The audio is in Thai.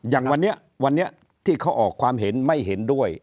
อย่างวันนี้วันนี้ที่เขาออกความเห็นไม่เห็นด้วย